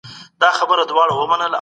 ذهني توازن د کار کیفیت ښه کوي.